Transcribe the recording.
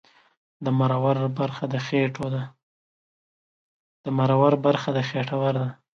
د مرور برخه د خېټور ده